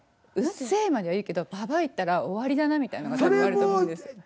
「うっせぇ」までは言うけど「ババア」言ったら終わりだなみたいのがあると思うんです。